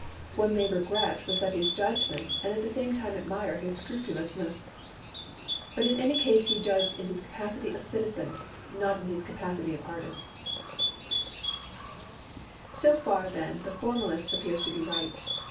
One may regret Rossetti's judgement and at the same time admire his scrupulousness; but in any case he judged in his capacity of citizen, not in his capacity of artist. SUBJECT NOT INDIFFERENT So far then the 'formalist' appears to be right.